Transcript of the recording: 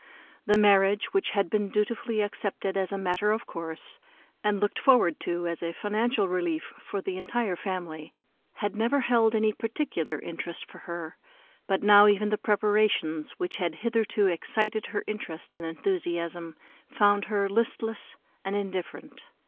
The marriage, which had been dutifully accepted as a matter of course and looked forward to as a financial relief to the entire family, had never held any particular interest for her, but now even the preparations, which had hitherto excited her interest and enthusiasm, found her listless and indifferent.